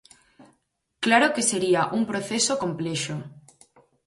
Claro que sería un proceso complexo.